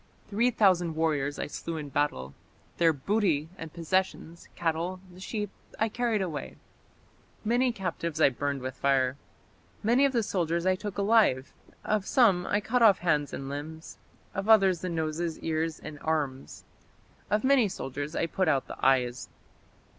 Three thousand warriors I slew in battle. Their booty and possessions, cattle, sheep, I carried away; many captives I burned with fire. Many of their soldiers I took alive; of some I cut off hands and limbs; of others the noses, ears, and arms; of many soldiers I put out the eyes.